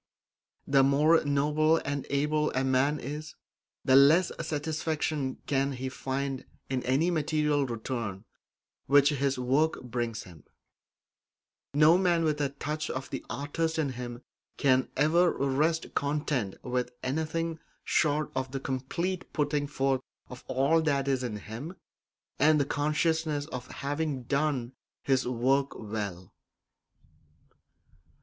The more noble and able a man is, the less satisfaction can he find in any material return which his work brings him; no man with a touch of the artist in him can ever rest content with anything short of the complete putting forth of all that is in him, and the consciousness of having done his work well.